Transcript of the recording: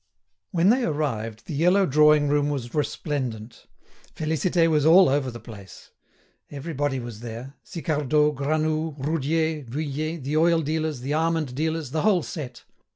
When they arrived, the yellow drawing room was resplendent. Félicité was all over the place. Everybody was there; Sicardot, Granoux, Roudier, Vuillet, the oil dealers, the almond dealers, the whole set.